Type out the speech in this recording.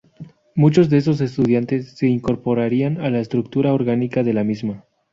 Muchos de esos estudiantes se incorporarían a la estructura orgánica de la misma.